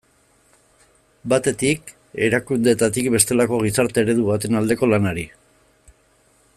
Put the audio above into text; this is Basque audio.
Batetik, erakundeetatik bestelako gizarte eredu baten aldeko lanari.